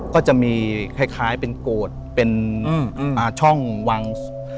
ก็จะมีคล้ายเป็นโกรธเป็นช่องวาง